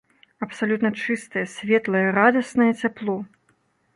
Абсалютна чыстае, светлае, радаснае цяпло.